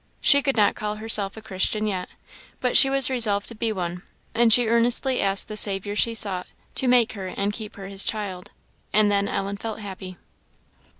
She could not call herself a Christian yet, but she was resolved to be one; and she earnestly asked the Saviour she sought, to make her and keep her his child. And then Ellen felt happy.